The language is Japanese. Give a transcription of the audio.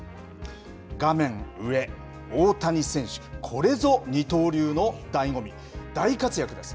画面上、大谷選手、これぞ二刀流のだいご味、大活躍です。